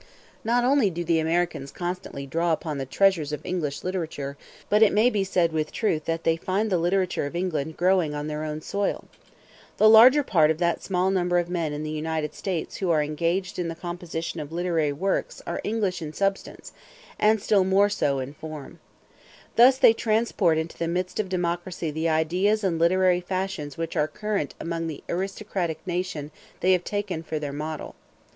Not only do the Americans constantly draw upon the treasures of English literature, but it may be said with truth that they find the literature of England growing on their own soil. The larger part of that small number of men in the United States who are engaged in the composition of literary works are English in substance, and still more so in form. Thus they transport into the midst of democracy the ideas and literary fashions which are current amongst the aristocratic nation they have taken for their model.